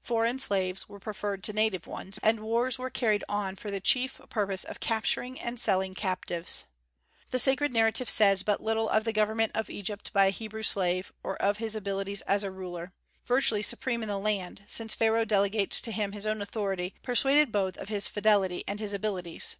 Foreign slaves were preferred to native ones, and wars were carried on for the chief purpose of capturing and selling captives. The sacred narrative says but little of the government of Egypt by a Hebrew slave, or of his abilities as a ruler, virtually supreme in the land, since Pharaoh delegates to him his own authority, persuaded both of his fidelity and his abilities.